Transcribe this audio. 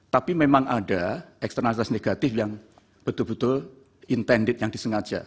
tapi memang ada eksternalitas negatif yang betul betul intended yang disengaja